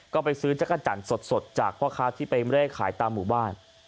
ก็ไปซื้อจักรจันทร์สดจากพ่อค้าที่ไปเร่ขายตามหมู่บ้าน